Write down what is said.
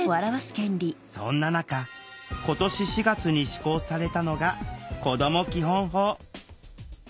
そんな中今年４月に施行されたのが「こども基本法」。